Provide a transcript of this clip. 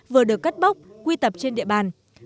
vừa được cất bốc quy tập trên địa bàn